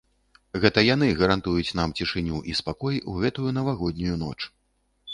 Гэта яны гарантуюць нам цішыню і спакой у гэтую навагоднюю ноч.